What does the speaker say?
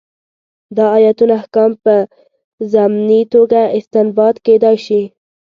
دا ایتونه احکام په ضمني توګه استنباط کېدای شي.